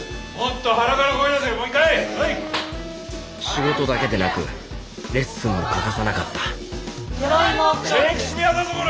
仕事だけでなくレッスンも欠かさなかった鎧も黒く。